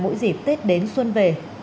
mỗi dịp tết đến xuân về